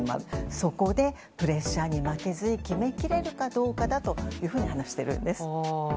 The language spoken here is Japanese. そこで、プレッシャーに負けずに決めきれるかどうかだと話しているんです。